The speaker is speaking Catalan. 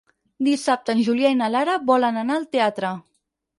Dissabte en Julià i na Lara volen anar al teatre.